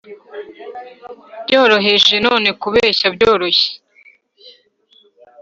byoroheje, none kubeshya byoroshye